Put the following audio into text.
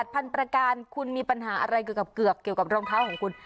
พันประการคุณมีปัญหาอะไรเกี่ยวกับเกือบเกี่ยวกับรองเท้าของคุณ